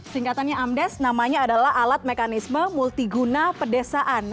singkatannya amdes namanya adalah alat mekanisme multiguna pedesaan